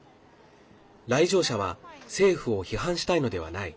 来場者は政府を批判したいのではない。